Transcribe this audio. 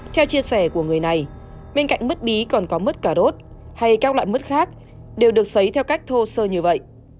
theo chia sẻ của người này bên cạnh mứt bí còn có mứt cả đốt hay các loại mứt khác đều được xấy theo cách thô sơ như vậy